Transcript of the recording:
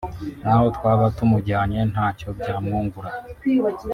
naho twaba tumujyanye ntacyo byamwungura